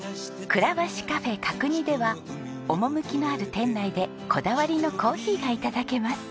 蔵和紙カフェカクニでは趣のある店内でこだわりのコーヒーが頂けます。